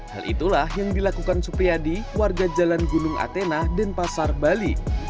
hal itulah yang dilakukan supriyadi warga jalan gunung atena dan pasar bali